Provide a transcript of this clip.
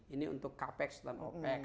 ini untuk capex dan opec